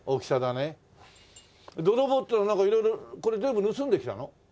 「どろぼう」っていうのはなんか色々これ全部盗んできたの？